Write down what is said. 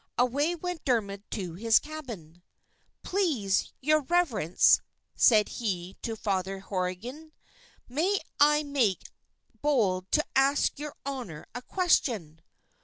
Away went Dermod to his cabin. "Please, your reverence," said he to Father Horrigan, "may I make bold to ask your honour a question?"